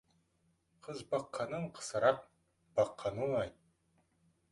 Қыз баққаннан қысырақ баққан оңай.